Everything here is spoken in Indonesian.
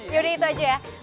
ya udah itu aja ya